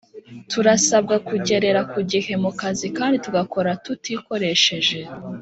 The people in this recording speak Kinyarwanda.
Turasabwa kugerera kugihe mukazi kandi tugakora tuti koresheje